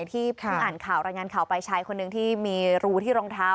ที่เพิ่งอ่านข่าวรายงานข่าวไปชายคนหนึ่งที่มีรูที่รองเท้า